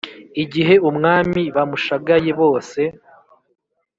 Igihe umwami bamushagaye bose